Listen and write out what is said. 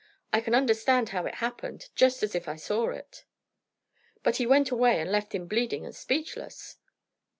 I can understand how it happened, just as if I saw it." "But he went away, and left him bleeding and speechless."